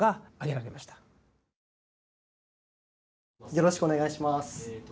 よろしくお願いします。